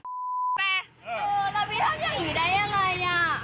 เออแล้วพี่ทำอย่างงี้ได้ยังไง